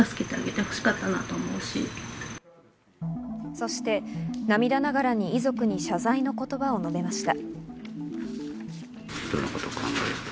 そして涙ながらに遺族に謝罪の言葉を述べました。